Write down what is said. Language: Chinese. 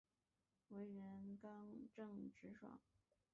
为人刚正直爽。